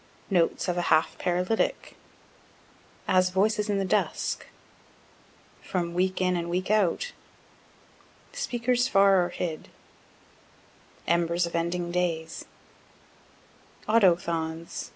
_ _Notes of a Half Paralytic, As Voices in the Dusk, from Week in and Week out, Speakers far or hid, Embers of Ending Days, Autochthons....